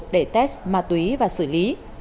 để test ma túy và xử lý